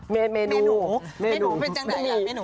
เมนูเป็นหสามใดค่ะ